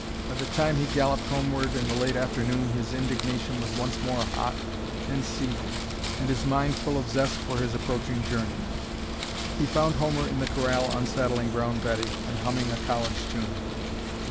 By the time he galloped homeward in the late afternoon his indignation was once more hot and seething and his mind full of zest for his approaching journey. He found Homer in the corral unsaddling Brown Betty and humming a college tune.